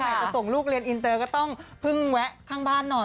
จะส่งลูกเรียนอินเตอร์ก็ต้องเพิ่งแวะข้างบ้านหน่อย